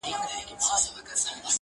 زما ياران اوس په دې شكل سـوله!!